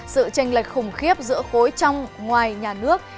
sự tranh lệch khủng khiếp giữa khối trong ngoài nhà nước